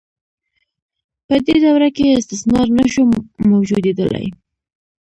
په دې دوره کې استثمار نشو موجودیدلای.